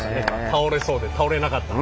倒れそうで倒れなかった。